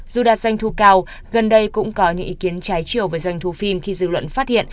dù đạt doanh thu cao gần đây cũng có những ý kiến trái chiều với doanh thu phim khi dư luận phát hiện